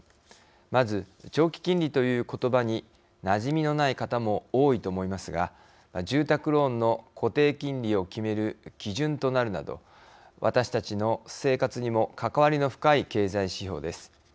まず、長期金利という言葉になじみのない方も多いと思いますが住宅ローンの固定金利を決める基準となるなど私たちの生活にも関わりの深い経済指標です。